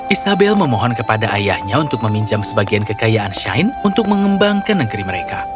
isabel memohon kepada ayahnya untuk meminjam sebagian kekayaan shane untuk mengembangkan negeri mereka